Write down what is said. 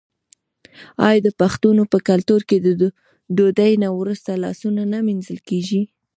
آیا د پښتنو په کلتور کې د ډوډۍ نه وروسته لاسونه نه مینځل کیږي؟